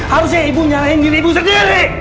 harusnya ibu nyalahin diri ibu sendiri